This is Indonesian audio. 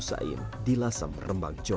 tahlilan itu biasa